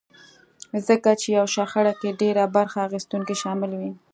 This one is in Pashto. ځکه چې يوه شخړه کې ډېر برخه اخيستونکي شامل وي.